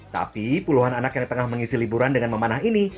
tapi puluhan anak yang tengah mengisi liburan dengan memanah ini